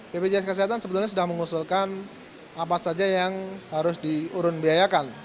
bpjs kesehatan sebetulnya sudah mengusulkan apa saja yang harus diurun biayakan